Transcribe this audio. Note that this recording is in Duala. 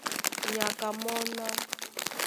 Nyaka mɔ́ ná: